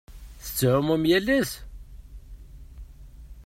Tettɛummum yal ass?